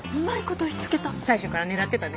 最初から狙ってたね。